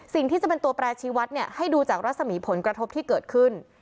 สิ่งที่จะเป็นตัวแปรชีวัตรเนี่ยให้ดูจากรัศมีผลกระทบที่เกิดขึ้น